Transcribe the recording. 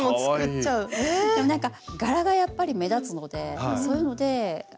なんか柄がやっぱり目立つのでそういうのであの。